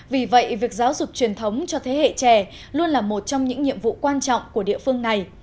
vì vậy việc giáo dục truyền thống cho thế hệ trẻ luôn là một trong những nhiệm vụ quan trọng của địa phương này